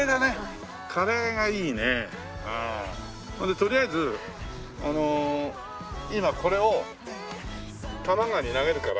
とりあえずあの今これを多摩川に投げるから。